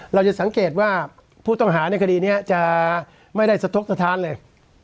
เราจะสังเกตว่าผู้ต้องหาในคดีนี้จะไม่ได้สะทกสถานเลย